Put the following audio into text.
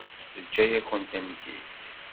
Teǧǧa-yakent-tent-id.